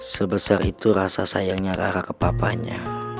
sebesar itu rasa sayangnya rara ke papanya